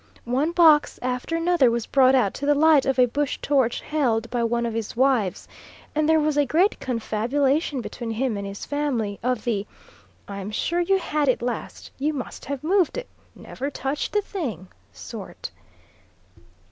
One box after another was brought out to the light of a bush torch held by one of his wives, and there was a great confabulation between him and his family of the "I'm sure you had it last," "You must have moved it," "Never touched the thing," sort.